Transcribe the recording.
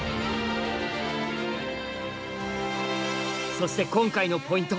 そして今回のポイント